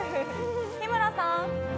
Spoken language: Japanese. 日村さん！